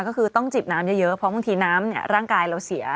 ก็คือต้องจิบน้ำเยอะเพราะบางทีน้ำร่างกายเราเสีย